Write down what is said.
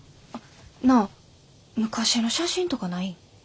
あっなあ昔の写真とかないん？